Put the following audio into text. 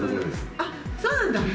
あっ、そうなんだ。